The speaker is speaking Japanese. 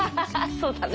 そうだね。